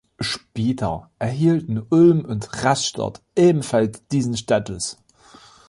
Später erhielten Ulm und Rastatt ebenfalls diesen Status.